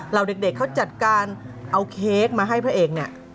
เด็กเขาจัดการเอาเค้กมาให้พระเอกเนี่ย